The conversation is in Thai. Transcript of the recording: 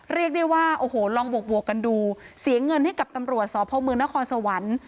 เรียกได้ว่าโอ้โหลองบวกกันดูเสียเงินให้กับตำรวจสพมนครสวรรค์